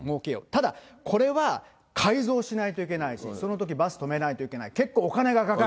ただこれは改造しないといけないし、そのときバス止めないといけない、結構お金がかかる。